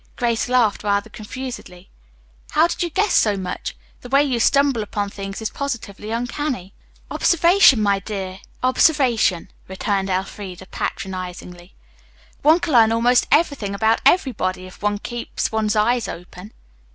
Grace laughed rather confusedly. "How did you guess so much? The way you stumble upon things is positively uncanny." "Observation, my dear, observation," returned Elfreda patronizingly. "One can learn almost everything about everybody if one keeps one's eyes open."